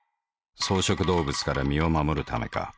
草食動物から身を護るためか。